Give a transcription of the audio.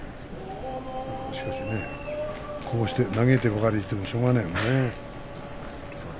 しかし、こうして嘆いてばかりでもしょうがないよね。